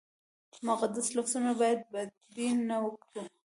مقدس لفظونه باید بدبین نه کړو.